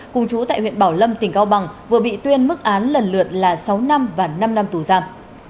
cùng chú tại huyện bảo lâm tỉnh cao bằng vừa bị tuyên mức án lần lượt là sáu năm và năm năm tù giam